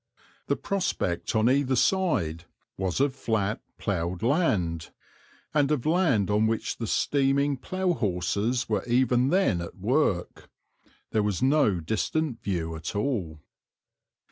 The prospect on either side was of flat ploughed land, and of land on which the steaming plough horses were even then at work; there was no distant view at all.